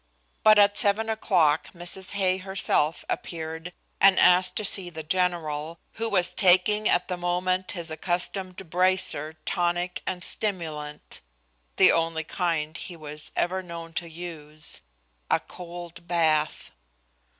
But at seven o'clock Mrs. Hay herself appeared and asked to see the general, who was taking at the moment his accustomed bracer, tonic and stimulant, the only kind he was ever known to use a cold bath.